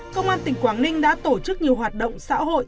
công an tỉnh quảng ninh đã tổ chức nhiều hoạt động xã hội